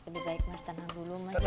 lebih baik mas tanah dulu mas